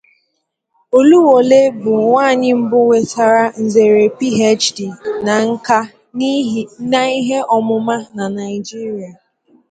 Oluwole bụ nwaanyị mbụ nwetara nzere PhD na nkà ihe ọmụma na Naijiria.